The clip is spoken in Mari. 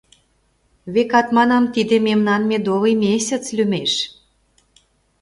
— Векат, манам, тиде мемнан «медовый месяц» лӱмеш...